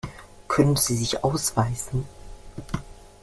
Können Sie sich ausweisen?